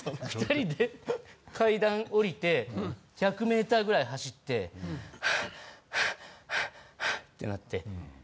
２人で階段下りて１００ｍぐらい走って「はあはあ」ってなって。